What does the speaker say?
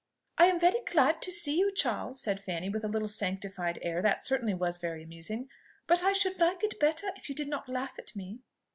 "I am very glad to see you, Charles," said Fanny, with a little sanctified air that certainly was very amusing; "but I should like it better if you did not laugh at me."